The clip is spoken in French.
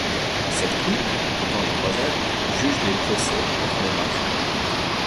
Cette cour, au temps des croisades, juge les procès entre les marchands.